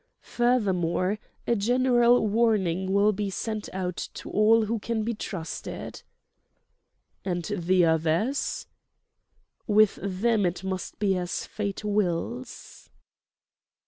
Furthermore, a general warning will be sent out to all who can be trusted." "And the others—?" "With them it must be as Fate wills."